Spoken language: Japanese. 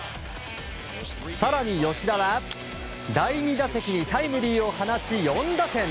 更に吉田は第２打席にタイムリーを放ち、４打点！